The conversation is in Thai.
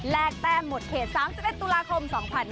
แลกแป้มหมดเขต๓๑ตุลาคม๒๕๖๖